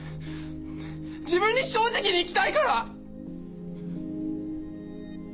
自分に正直に生きたいから！